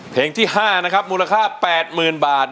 เพลงที่ห้านะครับมูลค่าแปดหมื่นบาท